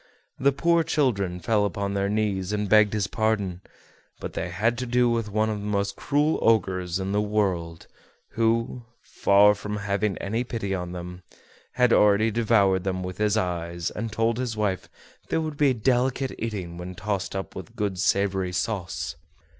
The poor children fell upon their knees, and begged his pardon; but they had to do with one of the most cruel ogres in the world, who, far from having any pity on them, had already devoured them with his eyes, and told his wife they would be delicate eating when tossed up with good savory sauce.